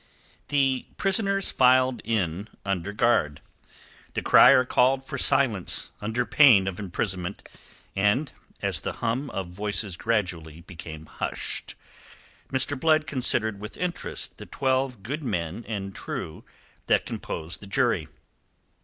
The prisoners filed in under guard. The crier called for silence under pain of imprisonment, and as the hum of voices gradually became hushed, Mr. Blood considered with interest the twelve good men and true that composed the jury.